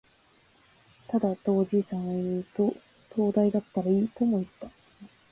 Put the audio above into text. ただ、とおじさんは言うと、灯台だったらいい、とも言った